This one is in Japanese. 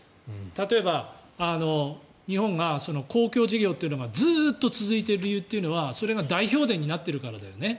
例えば日本が公共事業というのがずっと続いている理由というのはそれが大票田になっているからだよね。